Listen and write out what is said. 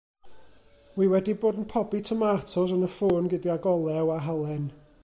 Wi wedi bod yn pobi tomatos yn y ffwrn gydag olew a halen.